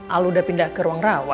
al udah pindah ke ruang